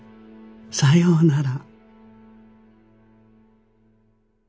さようなら。